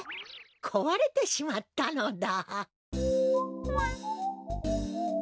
こわれてしまったのだ。